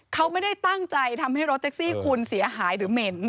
เขาไม่ได้ตั้งใจทำให้รถแท็กซี่คุณเสียหายหรือเหม็น